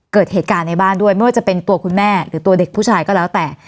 เกิดเหตุการณ์ในบ้านด้วยไม่ว่าจะเป็นตัวคุณแม่หรือตัวเด็กผู้ชายก็แล้วแต่